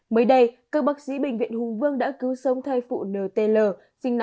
mới đây các bác sĩ bệnh viện hùng vương đã cứu sống thai phụ ntl sinh năm một nghìn chín trăm chín mươi bốn